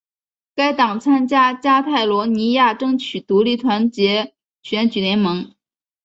该党参加加泰罗尼亚争取独立团结选举联盟。